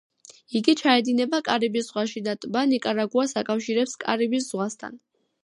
იგი ჩაედინება კარიბის ზღვაში და ტბა ნიკარაგუას აკავშირებს კარიბის ზღვასთან.